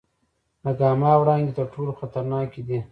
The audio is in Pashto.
د ګاما وړانګې تر ټولو خطرناکې دي.